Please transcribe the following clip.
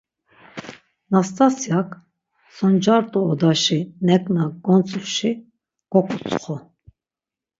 Nastasyak so ncart̆u odaşi neǩna gontzusi, goǩutsxu.